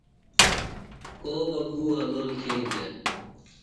کو بہ گُو حلول تِھین دےۡ۔